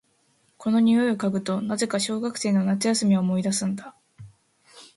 この匂いを嗅ぐと、なぜか小学生の夏休みを思い出すんだ。